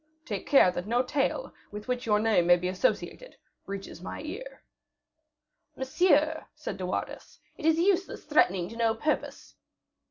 Take care that no tale, with which your name may be associated, reaches my ear." "Monsieur," said De Wardes, "it is useless threatening to no purpose."